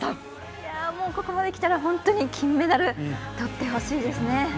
ここまできたら本当に金メダルとってほしいですね。